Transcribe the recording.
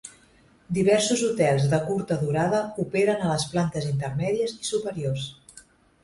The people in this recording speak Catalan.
Diversos hotels de curta durada operen a les plantes intermèdies i superiors.